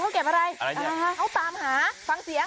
เขาเก็บอะไรเขาตามหาฟังเสียง